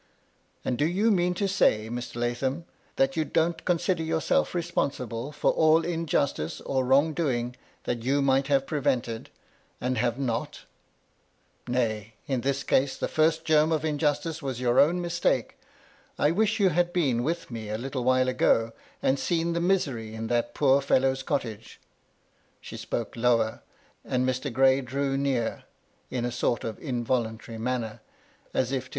" And do you mean to say, Mr. Lathom, that you don't consider yourself responsible for all injustice or wrong doing that you might have prevented, and have not ? Nay, in this case the first germ of injustice was your own mistake. I wish you had been with me a little while ago, and seen the misery in that poor fellow's cottage." She spoke lower, and Mr. Gray drew near, in a sort of involuntary manner ; as if to D 3 58 MY LADY LUDLOW.